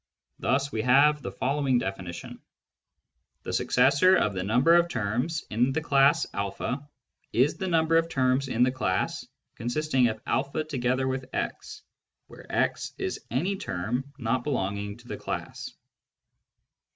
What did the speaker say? Thus we have the following definition :— The successor of the number of terms in the class a is the number of terms in the class consisting of a together with x, where x is any term not belonging to the class.